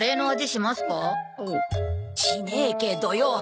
しねえけどよお。